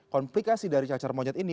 komplikasi dari cacar monyet ini